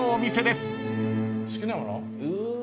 好きなもの？